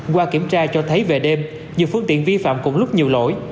qua kiểm tra cho thấy về đêm nhiều phương tiện vi phạm cùng lúc nhiều lỗi